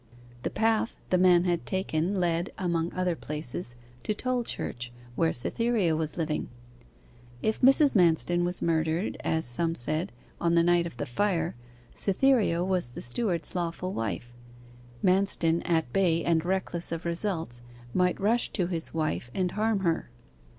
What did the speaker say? The path the man had taken led, among other places, to Tolchurch, where Cytherea was living. If Mrs. Manston was murdered, as some said, on the night of the fire, Cytherea was the steward's lawful wife. Manston at bay, and reckless of results, might rush to his wife and harm her.